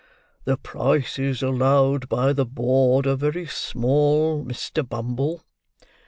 "The prices allowed by the board are very small, Mr. Bumble."